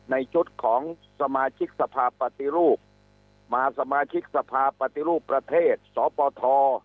ในชุดของสมาชิกสภาพปฏิรูปมาสมาชิกสภาปฏิรูปประเทศสปท